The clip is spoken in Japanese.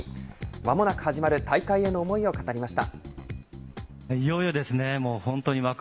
まもなく始まる大会への思いを語りました。